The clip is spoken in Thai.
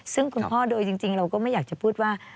ซึ่งคุณพ่อโดยจริงเราก็ไม่อยากจะพูดว่า